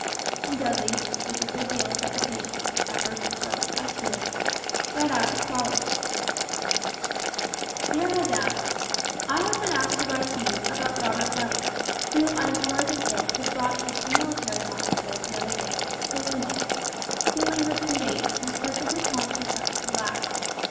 And Dudley, with a good deal of hesitation and effort interrupted by tears, read out as follows: "DEAR MADAM: "I have been asked to write to you about Robert White who I am sorry to say was brought into the military hospital the other day dangerously wounded. He lingered three days and was perfectly conscious up to the last.